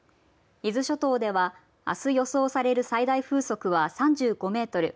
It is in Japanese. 伊豆諸島ではあす予想される最大風速は３５メートル。